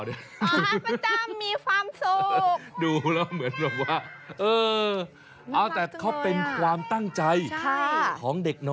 ให้ข้าพเจ้าความสุขข้าพเจ้าอย่างความสุข